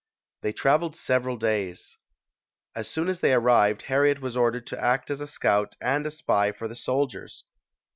They trav eled several days. As soon as they arrived, Har riet was ordered to act as a scout and a spy for the soldiers.